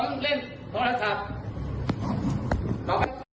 มันจะให้ได้ก่อนตอบกี่รอบ